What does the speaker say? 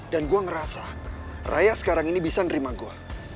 dan gue ngerasa raya sekarang ini bisa nerima gue